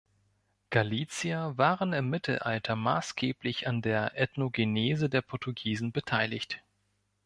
Galicier waren im Mittelalter maßgeblich an der Ethnogenese der Portugiesen beteiligt.